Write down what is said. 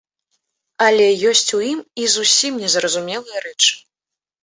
Але ёсць у ім і зусім незразумелыя рэчы.